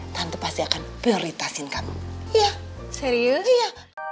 tante pasti akan prioritasin kamu iya serius iya